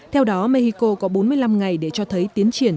theo đó mexico có bốn mươi năm ngày để cho thấy tiến triển